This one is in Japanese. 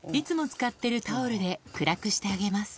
使ってるタオルで暗くしてあげます